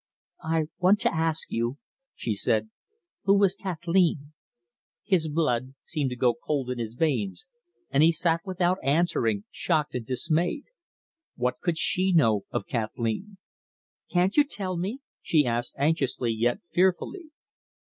"I want to ask you," she said, "who was Kathleen?" His blood seemed to go cold in his veins, and he sat without answering, shocked and dismayed. What could she know of Kathleen? "Can't you tell me?" she asked anxiously yet fearfully.